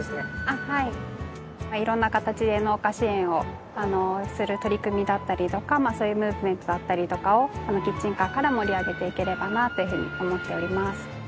いろんな形で農家支援をする取り組みだったりとかそういうムーブメントだったりとかをこのキッチンカーから盛り上げていければなというふうに思っております。